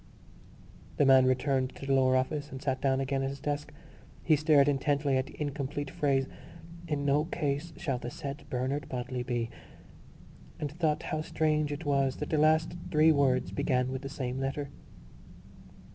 _ The man returned to the lower office and sat down again at his desk. He stared intently at the incomplete phrase: In no case shall the said Bernard Bodley be ... and thought how strange it was that the last three words began with the same letter.